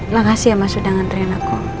terima kasih ya mas sudah nganterin aku